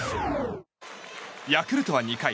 ヤクルトは２回。